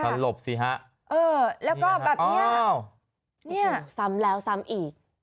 สลบสิฮะเออแล้วก็แบบเนี้ยเนี่ยซ้ำแล้วซ้ำอีก